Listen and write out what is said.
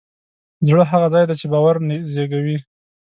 زړه هغه ځای دی چې باور زېږوي.